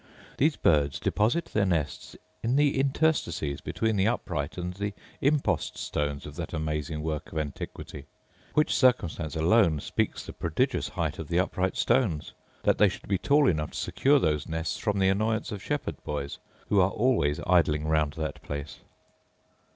These birds deposit their nests in the interstices between the upright and the impost stones of that amazing work of antiquity: which circumstance alone speaks the prodigious height of the upright stones, that they should be tall enough to secure those nests from the annoyance of shepherd boys, who are always idling round that place.